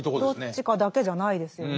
どっちかだけじゃないですよね。